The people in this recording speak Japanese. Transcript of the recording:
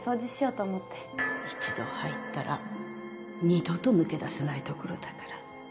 一度入ったら二度と抜け出せない所だから。